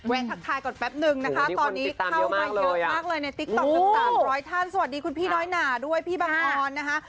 ทักทายก่อนแป๊บนึงนะคะตอนนี้เข้ามาเยอะมากเลยในติ๊กต๊อกทั้ง๓๐๐ท่านสวัสดีคุณพี่น้อยหนาด้วยพี่บังออนนะคะ